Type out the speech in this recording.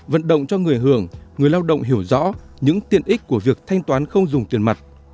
vận động cho người hưởng người lao động hiểu rõ những tiện ích của việc thanh toán không dùng tiền mặt